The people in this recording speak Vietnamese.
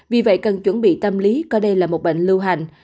vì vậy cần chuẩn bị tâm lý coi đây là một bệnh lưu hành